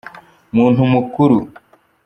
Umuntu mukuru.